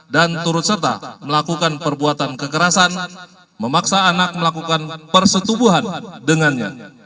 dan turut serta melakukan perbuatan kekerasan memaksa anak melakukan persetubuhan dengannya